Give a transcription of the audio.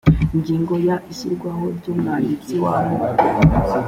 ingingo ya ishyirwaho ry umwanditsi w amoko